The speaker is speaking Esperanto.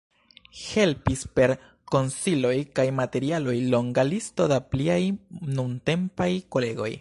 Helpis per konsiloj kaj materialoj longa listo da pliaj nuntempaj kolegoj.